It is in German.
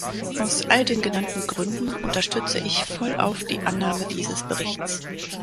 Aus all den genannten Gründen unterstütze ich vollauf die Annahme dieses Berichts.